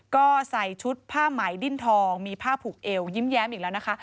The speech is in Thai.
ก็ใส่ชุดผ้าไหมดิ้นทองมีผ้าผูกเอวยิ้มแย้มอีกแล้วนะคะ